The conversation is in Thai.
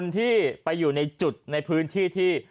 ที่ไปอยู่ในจุดในพื้นที่ที่